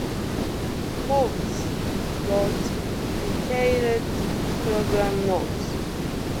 Foulds wrote detailed program notes.